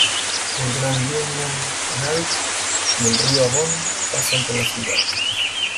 El Grand Union Canal y el río Avon pasan por la ciudad.